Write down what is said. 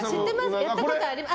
やったことあります？